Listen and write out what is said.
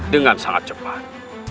dengan sangat cepat